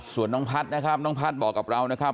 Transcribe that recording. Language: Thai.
ส่วนน้องพัฒน์นะครับน้องพัฒน์บอกกับเรานะครับ